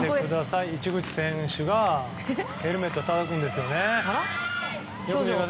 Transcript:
市口選手がヘルメットたたくんですね。